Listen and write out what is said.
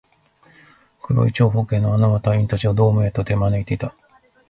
黒い長方形の穴は、隊員達をドームへと手招いていた